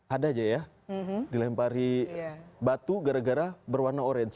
ada aja ya dilempari batu gara gara berwarna orange